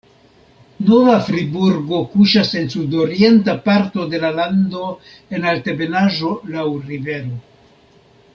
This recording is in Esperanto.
Nova Friburgo kuŝas en sudorienta parto de la lando en altebenaĵo laŭ rivero.